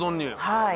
はい。